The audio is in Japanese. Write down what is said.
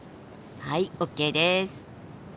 はいＯＫです。